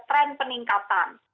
ada tren peningkatan